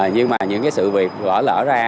nhưng mà những cái sự việc bỏ lỡ ra